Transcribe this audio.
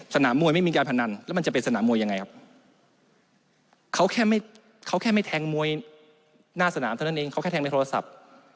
สนามมวยไม่มีการพนันแล้วมันจะเป็นสนามมวยยังไงครับเขาแค่ไม่เขาแค่ไม่แทงมวยหน้าสนามเท่านั้นเองเขาแค่แทงในโทรศัพท์